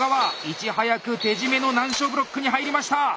いち早く手締めの難所ブロックに入りました！